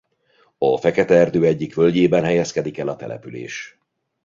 A Fekete-erdő egyik völgyében helyezkedik el a település.